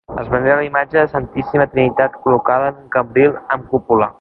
Es venera la imatge de la Santíssima Trinitat col·locada en un cambril amb cúpula.